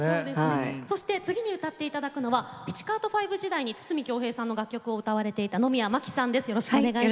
そして次に歌っていただくのはピチカート・ファイヴ時代に筒美京平さんの楽曲を歌われていた野宮真貴さんです。